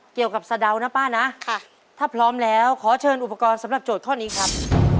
สะเดานะป้านะถ้าพร้อมแล้วขอเชิญอุปกรณ์สำหรับโจทย์ข้อนี้ครับ